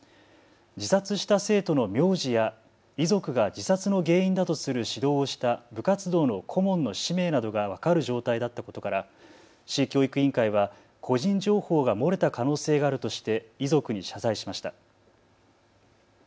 自殺した生徒の名字や遺族が自殺の原因だとする指導をした部活動の顧問の氏名などが分かる状態だったことから市教育委員会は個人情報が漏れた可能性があるとして遺族に謝罪しました。